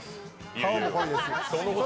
顔も濃いですし。